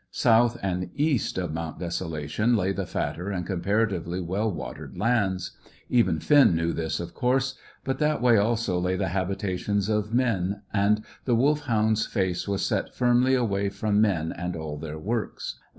South and east of Mount Desolation lay the fatter and comparatively well watered lands. Even Finn knew this, of course; but that way also lay the habitations of men, and the Wolfhound's face was set firmly away from men and all their works.